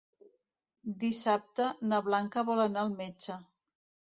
Dissabte na Blanca vol anar al metge.